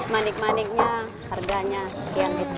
manik maniknya harganya sekian gitu